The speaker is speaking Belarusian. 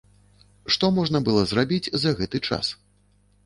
Што можна было зрабіць за гэты час?